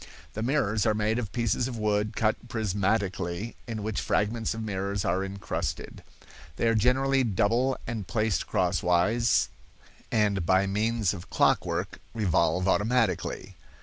The mirrors are made of pieces of wood cut prismatically in which fragments of mirrors are incrusted. They are generally double and placed crosswise, and by means of clockwork revolve automatically.